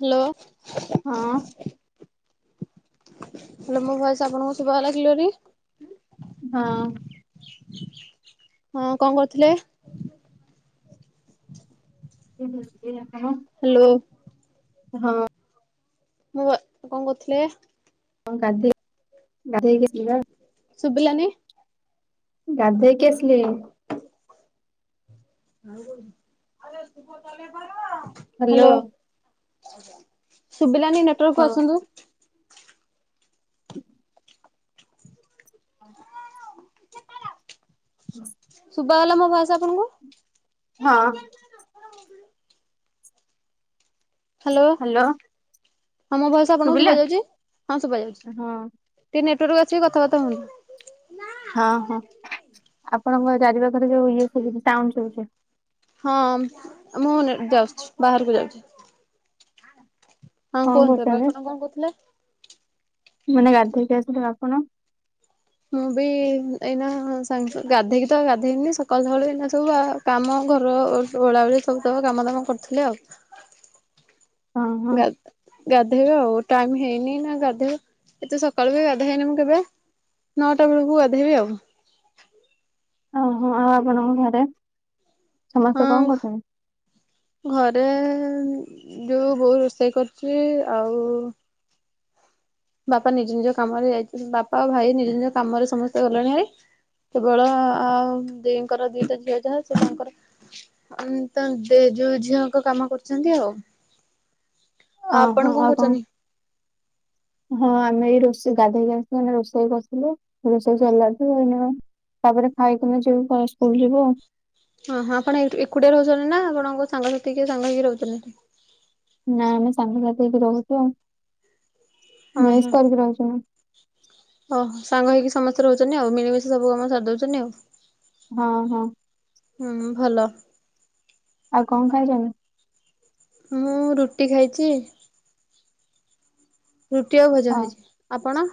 Hello. ହଁ hello ମୋ voice ଆପଣଙ୍କୁ ଶୁଭା ଗଲା କ୍ଲିୟରି? ହଁ। ହଁ କଣ କରୁଥିଲେ? [unintelligible] ହ୍ୟାଲୋ। ହଁ। ମୁଁ କଣ କହୁଥିଲେ? କଁ ଗାଧେଇ ଗାଧେଇକି ଆସିଲି ବା। ଶୁଭିଲାନି ଗାଧୋଇକି ଆସିଲି। [unintelligible] ହ୍ୟାଲୋ। ଶୁଭିଲାନି ନେଟୱାର୍କକୁୁ ହଁ। ଆସନ୍ତୁ। [inaudible] ଶୁଭା ଗଲା ମୋ ଭଏସ ଆପଣଙ୍କୁ? ହଁ। ହ୍ୟାଲୋ। ହଁ ମୋ ଭୟସ ଆପଣଙ୍କୁ ଶୁଭିଲା ଶୁଭା ଯାଉଛି ହଁ ଶୁଭଯାଉଛି। ହଁ ଟିକେ ନେଟୱାର୍କୁ ଆସିକି କଥାବାର୍ତା ହୁଅନ୍ତୁ। ହଁ ହଁ ଆପଣଙ୍କ ଚାରି ପାଖରେ ଯୋଉ ଇଏ ଶୁଭୁଛି ଟାଉନ୍ ସବୁ ହଁ ମୁଁ ନ ଯାଉଛି ବାହାରକୁ ଯାଉଛି। ହଁ କଣ କୁହନ୍ତୁ ଏବେ କରୁଛନ୍ତି ଆପଣ କଣ କହୁଥିଲେ? ମାନେ ଗାଧୋଇକି ଆସିଲେ ଆପଣ? ମୁଁ ବି ଏଇନା ସାଙ୍ଗ ଗାଧେଇକି ତ ଗାଧେଇନି ସକାଳୁ ସକାଳୁ ଏଇନା ସବୁ ଆଉ କାମ ଘର ଓଳାଓଳି ସବୁ ତ କାମ ଦାମ କରୁଥିଲେ ଆଉ। ହଁ ହଁ ଗା ଗାଧେଇବ ଆଉ ଟାଇମ ହେଇନି ନା ଗାଧେଇବ ଏତେ ସକାଳୁ ବି ଗାଧଇନି ମୁଁ କେବେ। ନଅଟା ବେଳକୁ ଗାଧେଇବି ଆଉ ଓ ହୋ ଆଉ ଆପଣଙ୍କ ଘରେ ସମସ୍ତେ କଣ ହଁ କରୁଛନ୍ତି? ଘରେ ଯୋଉ ବୋଉ ରୋଷେଇ କରୁଛି ଆଉ ବାପା ନିଜ ନିଜ କାମରେ ଯାଇଛନ୍ତି ବାପା ଆଉ ଭାଇ ନିଜ ନିଜ କାମରେ ସମସ୍ତେ ଗଲେଣି ହେରି। କେବଳ ଆଉ ଦିଙ୍କର ଦିଟା ଝିଅ ଯାହା ସେ ତାଙ୍କର ଅ ନ୍ତ ତ ଯୋଉ ଝିଅଙ୍କ କାମ କରୁଛନ୍ତି ଆଉ ଆ ଓହୋ ଆପଣ କଁ ଆଉ କଣ କରୁଚନି? ହଁ ଆମେ ଏଇ ରୋଷେଇ ଗାଧେଇକି ଆସିକି ରୋଷେଇ କସଥିଲୁ ରୋଷେଇ ସରିଲାଠୁ ଏନା ତାପରେ ଖାଇକିନା ଯିବୁ [unintelligible] ସ୍କୁଲ ଯିବୁ ଆଉ। ହଁ ହଁ ଆପଣ ଏଠୁ ଏକୁଟିଆ ରହୁଚନ୍ତି ନା ଆପଣଙ୍କ ସାଙ୍ଗସାଥି କିଏ ସାଙ୍ଗ ହେଇକି ରହୁଚନ୍ତି [unintelligible] ନା ଆମେ ସାଙ୍ଗ ସାଥି ହେଇକି ରହୁଚୁ ଆଉ। ଅଁ ମେସ୍ ହ। କରିକି ରହୁଛୁ ନା। ଓଃ ସାଙ୍ଗ ହେଇକି ସମସ୍ତେ ରହୁଚନି ଆଉ ମିଳିମିଶି ସବୁ କାମ ସାରି ଦଉଚନ୍ତି ଆଉ। ହଁ ହଁ। ହୁଁ ଭଲ। ଆଉ କଁ ଖାଇଚନି? ମୁଁ ରୁଟି ଖାଇଚି। ରୁଟି ଆଉ ଭଜା ହଁ ଖାଇଚି ଆପଣ?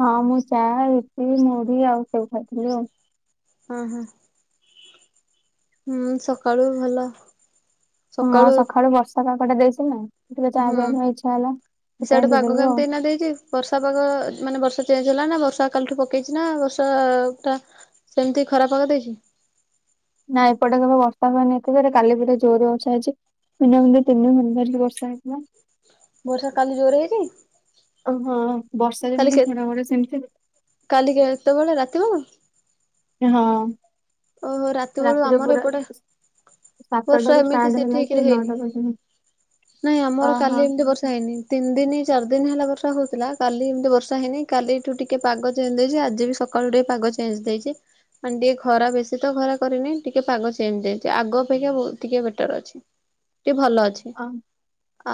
ହଁ ମୁଁ ଚାଆ, ରୁଟି, ମୁଢି ଆଉ ସେଉ ଖାଇଥିଲି ଆଉ। ଅଁ ହଁ। ହୁଁ ସକାଳୁ ଭଲ। ହଁ ସକାଳୁ ସଖାଳୁ ବର୍ଷା ପଗଟା ଦେଇଚିନା ଟିକେ ଚା ହୁଁ ପିଇବା ପାଇଁ ଇଚ୍ଛା ଏଲା ସେଥିଆଇଁ ଦେଇଦେଲୁ ଆଉ। ନା ଦେଇଚି ବର୍ଷା ପାଗ ମାନେ ବର୍ଷା ଚେଞ୍ଜ ହେଲା ନା ବର୍ଷା କାଲିଠୁ ପକେଇଚି ନା ବର୍ଷା ଟା ସେମିତି ଖରା ପାଗ ଦେଇଚି। ନା ଏପଟେ କେବେ ବର୍ଷା ହୁଏନି ଏତେ ଯୋରେ କାଲି ପୁରା ଜୋରେ ବର୍ଷା ହେଇଚି। ମିନି [unintelligible] ତିନି ଘନ୍ ଧରିକି ବର୍ଷା ହେଇଥିଲା। ବର୍ଷା କାଲି ଜୋରେ ହେଇଚି? ଅ ହଁ ବର୍ଷା ଯେମିତି ଘଡଘଡି ସେମିତି। କାଲି କେତେବେଳେ ରାତିିବେଳ? ଏ ହଁ। ଓହୋ ରାତି ବେଳୁ ରାତିରେ ଆମର ପୁରା ଏପଟେ ବର୍ଷା ସାତଟାରୁ ଏମିତି ଷ୍ଟାର୍ଟ ସେ ହେଲା ଯେ ଠିକିରେ ହେଇନି ନଅଟା ପର୍ଯ୍ୟନ୍ତ ନାଇଁ ଆମର ଓହୋ କାଲି ଏମିତି ବର୍ଷା ହେଇନି। ତିନି ଦିନି, ଚାର ଦିନ ହେଲା ବର୍ଷା ହଉଥିଲା କାଲି ଏମିତି ବର୍ଷା ହେଇନି କାଲି ଏଠୁ ଟିକେ ପାଗ ଚେଞ୍ଜେ ଦେଇଚି ଆଜି ବି ସକ୍ କାଳୁ ଟିକେ ପାଗ ଚେଞ୍ଜ ଦେଇଚି ମାନ୍ ଟିଏ ଖରା ବେସି ଶୀତ ଖରା କରିନି ଟିକେ ପାଗ ଚେଞ ଦେଇଚି ଆଗ ଅପେକ୍ଷା ବହୁ ଟିକେ ବେଟର୍ ଅଛି ଟିଏ ଭଲ ଅଛି। ଅ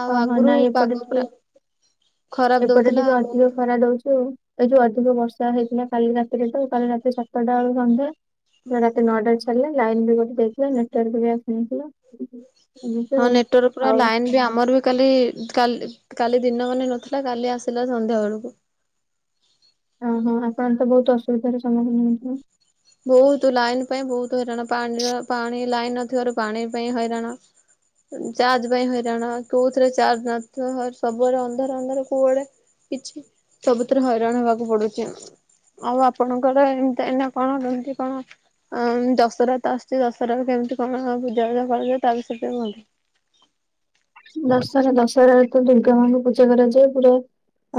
ଆଉ ଅହ ଆଗରୁ ନାଇଁ ପାଗ ଏପଟେ ଟିକେ ପୁରା ଖରାପ ଏପଟେ ଦଉଥିଲା ଟିକେ ଅଧିକ ବହୁତ ଖରା ଦଉଚି ଆଉ। ଏଇ ଯୋଉ ଅଧିକ ବର୍ଷା ହେଇଥିଲା କାଲି ରାତିରେ ତ କାଲି ରାତି ସାତଟା ବେଳୁ ସନ୍ଧ୍ୟା ରା ତି ନଅଟାଏ ଛଡିଲା ଲାଇନ ବି ଗୋଟେ ଦେଇଥିଲା ନେଟୱାର୍କ ବି ଆସିନଥିଲା ଏମିତି ହଁ ଆଉ। ନେଟୱାର୍କ ପୁରା ଆଉ ଲାଇନ୍ ବି ଆମର ବି କାଲି କାଲି କାଲି ଦିନ ମାନେ ନଥିଲା କାଲି ଆସିଲା ସନ୍ଧ୍ୟା ବେଳୁକୁ। ଅଁ ହଁ ଆପଣ ତ ବହୁତ ଅସୁବିଧାର ସମ୍ମୁଖୀନ ହଉଥୁଏ? ବହୁତୁ ଲାଇନ୍ ପାଇଁ ବହୁତୁ ହଇରାଣ ପାଣିର ପାଣି ଲାଇନ୍ ନଥିବାରୁ ପାଣି ପାଇଁ ହଇରାଣ। ଚାର୍ଜ ପାଇଁ ହଇରାଣ କୋଉଥିରେ ଚାର୍ଜ ନଥିଅ ହର ସବୁଆଡ଼େ ଅନ୍ଧାର ଅନ୍ଧାର କୁଆଡେ କିଛି ସବୁଥିରେ ହଇରାଣ ହେବାକୁ ପଡୁଚି ଆଉ ଆପଣଙ୍କର ଏମତି ଏନା କଣ [unintelligible] କଣ? ଆଁ ଦଶରାତ ଆସୁଚି ଦଶରାରେ କେମିତି କଣ ପୂଜା [unintelligible] ଜା କରାଯିବ ତା ବିଷୟରେ ଟିଏ କୁଅନ୍ତୁ? ଦଶରା ଦଶରା ତ ଦୁର୍ଗା ମାଙ୍କୁ ପୂଜା କରାଯାଏ ପୁରା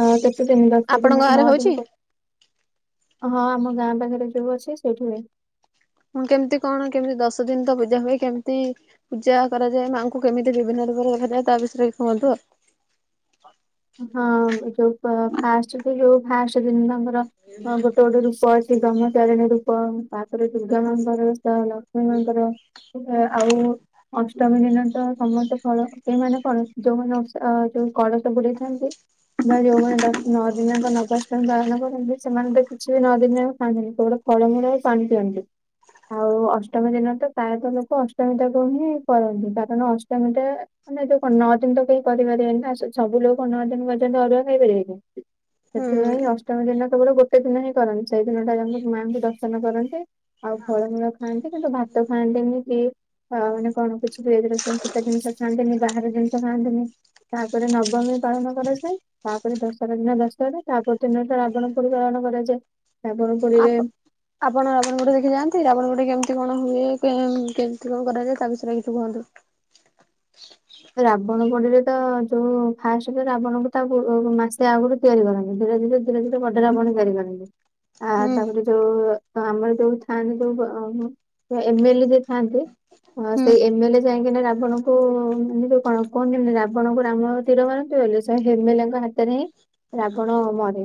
ଅଁ କେତେ ଦିନ୍ ଦଶ ଦିନ୍ ଆପଣଙ୍କ ଗାଁରେ ନଅ ହଉଛି ଦିନି ପ ହଁ ଆମ ଗାଁ ପାଖରେ ଯୋଉ ଅଛି ସେଇଠି ହୁଏ। ହଁ କେମିତି କଣ କେମିତି ଦଶ ଦିନ୍ ତ ପୂଜା ହୁଏ କେମିତି? ପୂଜା କରାଯାଏ ମାଆଙ୍କୁ କେମିତି ବିଭିନ୍ନ ରୂପରେ ଦେଖାଯାଏ ତା ବିଷୟରେ କୁହନ୍ତୁ ଆ ହଁ ଏ ଯୋଉ ପ ଫାଷ୍ଟେ ଦି ଯୋଉ ଫାଷ୍ଟେ ଦିନ ଆମର୍ ର୍ ଗୋଟେ ଗୋଟେ ରୂପ ଅଛି ବ୍ରମ ଚାରିଣୀ ରୂ ପ ଉୁଁ ତାପରେ ଦୁର୍ଗା ମାଙ୍କର ବେଷ, ଲକ୍ଷ୍ମୀ ମାଙ୍କର ଆଉ ଅନ୍ସ୍ ଟମି ଦିନତ ସମତ ଫଳ ଏମାନେ କଣ ଯୋଉମାନେ ଓଷ୍ ଆ ଯୋଉଁ କଳସ ବୁଡେଇଥାନ୍ତି ବା ଯୋଉମାନେ ଦଶ ନଅବିନାକ ନବାଷ୍ଟମୀ ପାଳନ କରନ୍ତି ସେମାନେ ତ କିଛି ବି ନଅ ଦିନ ଖାଆନ୍ତିନି କେବଳ ଫଳମୂଳ ଓ ଶାଣି ପିଅନ୍ତୁ ଆଉ ଅଷ୍ଟମୀ ଦିନ ତ ପ୍ରାୟତଃ ଲୋକ ଅଷ୍ଟମୀ ଟାକୁ ହିଁ କରନ୍ତି କାରଣ ଅଷ୍ଟମୀ ଟା ମାନେ ଯୋଉ କଣ ନଅ ଦିନ ତ କେହି କରିପାରିବେନି ନା ସୋ ସବୁ ଲୋକ ନଅ ଦିନ ପର୍ଯ୍ୟନ୍ତ ଅରୁଆ ଖାଇପାରିବ କି ହୁଁ ସେଥିପାଇଁ ଅଷ୍ଟମ ଦିନ କେବଳ ଗୋଟେ ସେ ଦିନ ହିଁ କରନ୍ତି ସେଇ ଦିନଟା ଯାହାମାଆଙ୍କୁ ଦର୍ଶନ କରନ୍ତି। ଆଉ ଫଳମୂଳ ଖାଆନ୍ତି କିନ୍ତୁ ଭାତ ଖାଆନ୍ତି କିଏ। ଆଉ ମାନେ କଣ କିଛି ପିଆଜ ରସୁଣ ଫୁଟା ଜିନିଷ ଖାଆନ୍ତିନି ବାହାର ଜିନିଷ ଖାଆନ୍ତିନି। ପରେ ନବମୀ ପାଳନ କରାଯାଏ। ତାପରେ ଦଶରା ଦିନ ଦଶହରା ତାପରେ ଦିନଟା ରାବଣ ପୋଡ଼ି ପାଳନ କରାଯାଏ ରାବଣ ଆପ ପୋଡ଼ିରେ ଆପଣ ରାବଣ ପୋଡ଼ି ଦେଖି ଯାଆନ୍ତି ରାବଣ ପୋଡ଼ି କେମିତି କଣ ହୁଏ କେମିତି କଣ କରାଯାଏ ତା ବିଷୟରେ କିଛି କୁହନ୍ତୁ।? ରାବଣ ପୋଡିରେ ତ ଯୋଉ ଫାଷ୍ଟ ତ ରାବଣଙ୍କୁ ତା ମାସେ ଆଗରୁ ତିଆରି କରନ୍ତି ଧୀରେ ଧୀରେ ଧୀରେ ଧୀରେ ବଡ଼ ରାବଣ ତୀଆରି କରନ୍ତି। ଆ ହୁଁ ତାପରେ ଯୋଉ ଆମର ଯୋଉ ଥାଆନ୍ତି ଯୋଉ ଅ ସେ ଏମଏଲେ ଯିଏ ଥାଆନ୍ତି ଏ ହୁଁ ସେଇ ଏମଏଲେ ଯାଇକିନା ରାବଣଙ୍କୁ ଏମିତି ସବୁ କଣ କୁହୁନି ରାବଣଙ୍କୁ ରାମ ତୀର ମାରନ୍ତୁବୋଲି ସେମିତି ଏମ୍ ଏଲ୍ ଙ୍କହାତରେ ହିଁ ରାବଣ ମରେ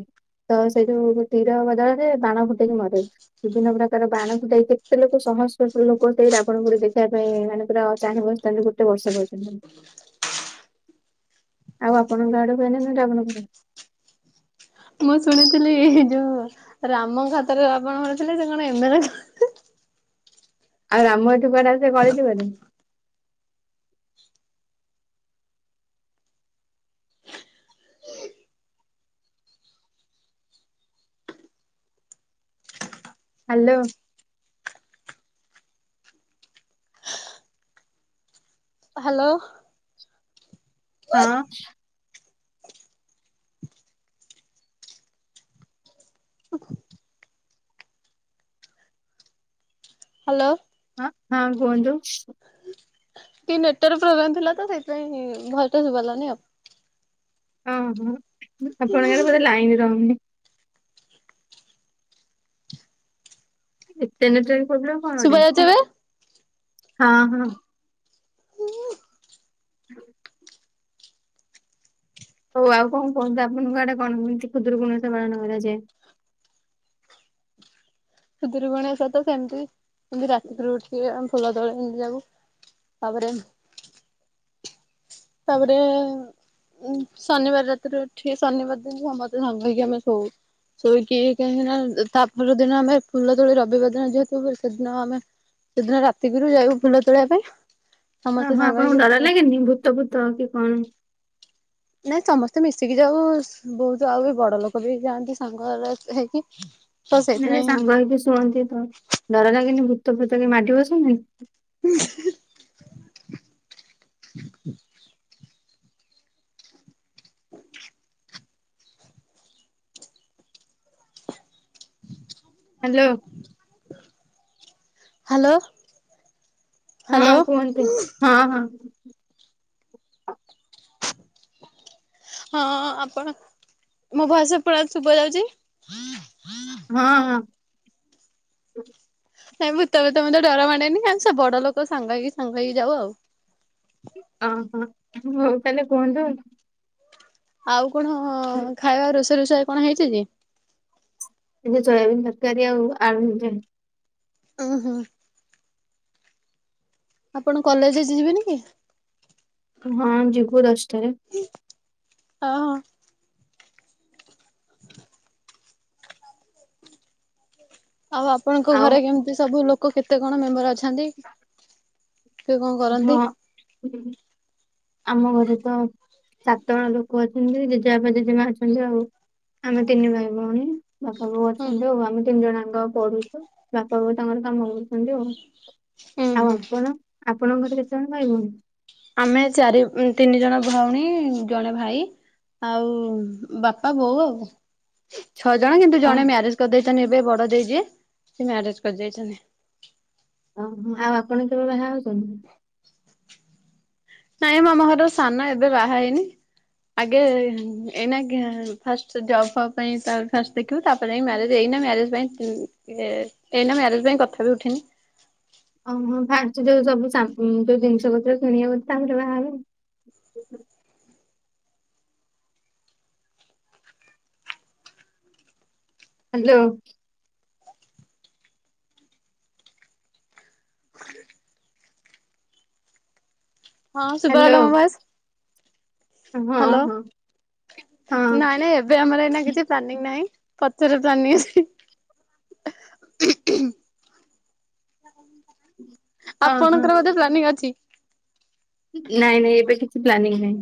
ତ ସେଠୁ ତୀର ବଦଳରେ ବାଣ ଫୁଟେଇକି ମରେ ବିଭିନ୍ନ ପ୍ରକାର ବାଣକୁ ଦେଇ କେତେ ଲୋକ ସହସ୍ର ଲୋକ ସେଇ ରାବଣ କୁ ଦେଖିବା ପାଇଁ ମାନେ ପୁରା ଚାହିଁ ବସିଥାନ୍ତି ତା ହେଲେ ଗୋଟେ ବର୍ଷ ପର୍ଯ୍ୟନ୍ତ ଆଉ ଆପଣଙ୍କ ଆଡ଼କୁ ହୁଏ ନା ନା ରାବଣପୋଡ଼ି ମୁଁ ଶୁଣିଥିଲି ଏଇ ଯୋଉ ରାମ ଙ୍କ ହାତରେ ଆପଣ ଘରେ ଥିଲେ ସେ କଣ ଏମେ ଏଲେ ଆଉ ରାମ ଏଠୁ କୁଆଡ଼େ ଆସିବେ ଗଳି ଯିବେନି ହ୍ୟାଲୋ। ହ୍ୟାଲୋ। ହଁ ହ୍ୟାଲୋ। ହଁ, ହ କୁହନ୍ତୁ କି ନେଟାର ପ୍ରୋଗ୍ଲେମ୍ ଥିଲା ତ ସେଇଥିାଇଁ ଭଲଟେ ଶୁଭାଗଲାନି ଆଉ ଅହୋ ଆପଣଙ୍କର ବେଳେ ଲାଇନ ରହୁନି ଏତେ ନେ ଟ୍ରେ ପ୍ରୋବ୍ଲେମ କଣ ଗୋଟେ ଶୁଭା ଯାଉଛି ଏବେ ହଁ, ହଁ [unintelligible] ହଉ ଆଉ କଣ କୁହନ୍ତୁ ଆପଣଙ୍କ ଆଡ଼େ କଣ ହଉଛି ଖୁଦୁରୁକୁଣି ଓଷା ପାଳନ କରାଯାଏ ଖୁଦୂର ଗଣେଶ ତ ସେମିତି ଏମିତି ରାତିରୁ ଉଠିବେ ଆମେ ଫୁଲ ତଳେ ଏମିତି ଯାଉୁ ତାପରେ ତାପରେ ଉଁ ଶନିବାର ରାତିରେ ଉଠି ଶନିବାର ଦିନ ସମସ୍ତେ ସାଙ୍ଗ ହେଇକି ଆମେ ଶୋଉ ଶୋଇକି କାହିଁକି ନା ତା ପର ଦିନ ଆମେ ଫୁଲ ତୋଳି ରବିବାର ଦିନ ଯେହେତୁ ସେଦିନ ଆମେ ସେଦିନ ରାତି ଗୁରୁ ଯାଇବୁ ଫୁଲ ତୋଳିବା ପାଇଁ ହଁ, ସମସ୍ତେ ହଁ ସାଙ୍ଗ ଆପଣଙ୍କୁ ହେଇକି ଡ଼ର ଫୁଲ ଲାଗେନି ଭୂତ ଭୂତ କି କଣ? ନାଇଁ ସମସ୍ତେ ମିଶିକି ଯାଉ ବହୁତ ଆଉ ବି ବଡ଼ ଲୋକ ବି ଯାଆନ୍ତି ସାଙ୍ଗ ର ହେଇକି [inaudible] ନା ଯେ ସାଙ୍ଗ ହେଇକି ଶୁଅନ୍ତି ତ ଡ଼ର ଲାଗନି ଭୂତ ଫୁତ କି ମାଡ଼ି ବସନ୍ତିନି ହୁଁ [unintelligible] ହ [unintelligible] ହ [unintelligible] ହ୍ୟାଲୋ। ହ୍ୟାଲୋ। ହ୍ୟାଲୋ ହଁ, କୁହନ୍ତୁ ହଁ, ହଁ ହଁ ଆ ଆ ଆପଣ ମୋ ଭଏସ ଏ ପଟେ ଆଡ଼େ ଶୁଭା ଯାଉଛି ହଁ ହଁ। ନାଇଁ ଭୂତବ ତମତେ ଡ଼ର ମାଡେନି ଆମ ସେ ବଡ଼ ଲୋକ ସାଙ୍ଗ ହେଇ କି ସାଙ୍ଗ ହେଇକି ଯାଉ ଆଉ। ଅହୋ ହଉ ତାହେଲେ କୁହନ୍ତୁ ଆଉ ଆଉ କଣ ଖାଇବା ରୋଷେଇ ରୋଷେଇ କଣ ହେଇଛି କି? ଏ ସୋୟାବିନ୍ ତରକାରୀ ଆଉ ଆଳୁ ଅହୋ। ଆପଣ କଲେଜ ଆଜି ଯିବେନି କି? ହଁ, ଯିବୁ ଦଶଟାରେ। ହଁ, ହଁ ଆଉ ଆପଣଙ୍କ ଆଉ ଘରେ କେମିତି ସବୁ ଲୋକ କେତେ କଣ ମେମ୍ବରଅଛନ୍ତି? ହଁ। ଆମ ଘରେ ତ ସାତ ଜଣ ଲୋକ ଅଛନ୍ତି ଜେଜେବାପା, ଜେଜେମା ଅଛନ୍ତି ଆଉ ଆମେ ତିନି ଭାଇ ଭଉଣୀ। ବାପା ବୋଉ ଅଛନ୍ତି ହୁଁ ଆଉ ଆମେ ତିନି ଜଣଙ୍କ ପଢୁଛୁ ବାପା ବୋଉ ତାଙ୍କର କାମ କରୁଛନ୍ତି ଆଉ ଆଉ ହୁଁ ଆପଣ ଆପଣଙ୍କ ଘରେ କେତେ ଜଣ ଭାଇ ଭଉଣୀ? ଆମେ ଚାରି ତିନି ଜଣ ଭଉଣୀ ଜଣେ ଭାଇ। ଆଉ ବାପା ବୋଉ ଆଉ। ଛଅ ଜଣ କିନ୍ତୁ ଜଣେ ଓହୋ ମ୍ୟାରେଜ କରିଦେଇଛନ୍ତି ଏବେ ବଡ ଦେଇ ଯିଏ ସେ ମ୍ୟାରେଜ କରିଦେଇଛନ୍ତି। ଓହୋ ଆଉ ଆପଣ କେବେଳ ବାହା ହେଉଛନ୍ତି? ନାଇଁ ମ ଆମ ଘରର ସାନ ଏବେ ବାହା ହେଇନି। ଆଗେ ଏଇନା ଫାଷ୍ଟ ଜବ୍ ଫବ୍ ପାଇଁ ଫାଷ୍ଟ ଉଠୁ ତାପରେ ଏ ମ୍ୟାରେଜ ଏଇନା ମ୍ୟାରେଜ ପାଇଁ ଏଇନା ମ୍ୟାରେଜ ପାଇଁ କଥା ବି ଉଠିନି। ଓହୋ ବାହାରୁଛି ଯୋଉ ସବୁ ଯୋଉ ଜିନିଷ ପତ୍ର କିଣିବାକୁଛି ତାପରେ ବାହା ହେବୁ ହ୍ୟାଲୋ। ହଁ ହ୍ୟାଲୋ ଶୁଭାଗଲା ମ ଆବାଜ? ହଁ ହ୍ୟାଲୋ। ହଁ ହଁ ନାଇଁ ନାଇଁବେ ଏବେ ଆମର ଏଇନା କିଛି ପ୍ଲାନିଂ ନାହିଁ ପଛରେ ପ୍ଲାନିଂ ଆ ଉହୁ ଉହୂ। ହଁ ଆପଣଙ୍କର ହଁ। ବୋଧେ ପ୍ଲାନିଂ ଅଛି? ନାଇଁ ନାଇଁ ଏବେ କିଛି ପ୍ଲାନିଂ ନାହିଁ।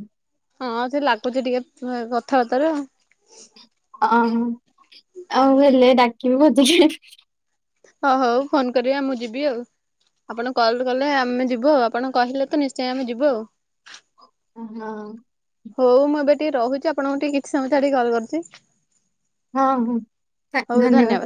ହଁ ସେ ଲାଗୁଛି ଟିକେ କଥାବାର୍ତ୍ତାରେ ଆଉ। ଅ ଆଉ ହେଲେ ଡାକିବି ଭୋଜି ଖାଇବାକୁ ହଁ ହଉ ଫୋନ କରିବା ମୁଁ ଯିବି ଆଉ। ଆପଣ କଲ କଲେ ଆମେ ଯିବୁ ଆପଣ କହିଲେ ତ ନିଶ୍ଚୟ ଆମେ ଯିବୁ ଆଉ। ହଁ। ହଉ ମୁଁ ଏବେ ଟିକେ ରହୁଛି ଆପଣଙ୍କୁ ଟିକେ କିଛି ସମୟ ଛାଡ଼ି କଲ କରୁଛି। ହଁ ହଁ ଧନ୍ୟବାଦ।